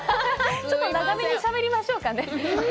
ちょっと長めにしゃべりましょうかね。